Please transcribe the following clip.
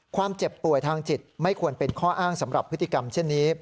เจ็บป่วยทางจิตไม่ควรเป็นข้ออ้างสำหรับพฤติกรรมเช่นนี้